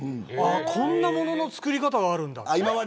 こんなものの作り方があるんだと。